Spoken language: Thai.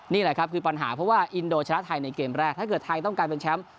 นี่แหละครับคือปัญหาเพราะว่าอินโดชนะไทยในเกมแรกถ้าเกิดไทยต้องการเป็นแชมป์